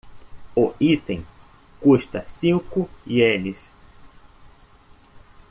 O item custa cinco ienes.